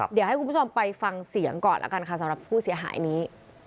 เดี๋ยวให้คุณผู้ชมไปฟังเสียงก่อนแล้วกันค่ะสำหรับผู้เสียหายนี้